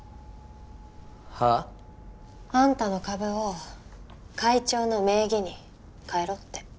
はあ？あんたの株を会長の名義に変えろって。